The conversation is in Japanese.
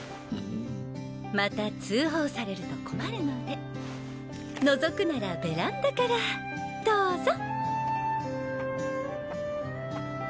また通報されると困るので覗くならベランダからどうぞ。